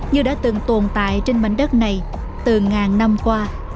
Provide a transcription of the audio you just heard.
như đã từng tồn tại trên mảnh đất này từ ngàn năm qua